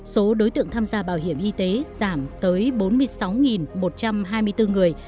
số đối tượng tham gia bảo hiểm y tế giảm tới bốn mươi sáu một trăm hai mươi bốn người